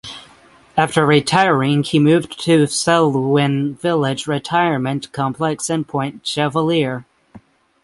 After retiring he moved to the Selwyn Village retirement complex in Point Chevalier.